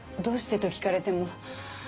どうしてと聞かれても。